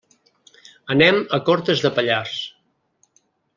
Anem a Cortes de Pallars.